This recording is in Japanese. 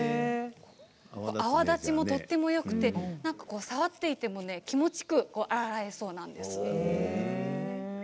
泡立ちもとてもよくて触っていても気持ちよく洗えそうなんです。